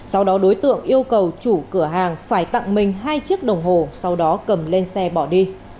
sau đó đối tượng yêu cầu chủ cửa hàng phải tặng mình hai chiếc đồng hồ sau đó cầm lên xe bỏ đi